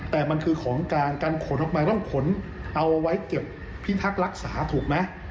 แต่มันคือของกลางการขนออกไปต้องขนเอาไว้เก็บพิทักษ์รักษาถูกไหม